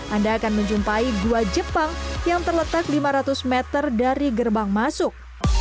anda akan menjumpai gua jepang yang terletak lima ratus meter dari gerbang masuk